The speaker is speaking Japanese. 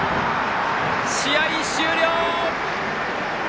試合終了！